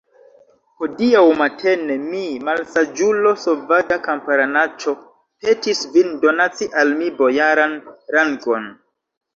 Hodiaŭ matene mi, malsaĝulo, sovaĝa kamparanaĉo, petis vin donaci al mi bojaran rangon.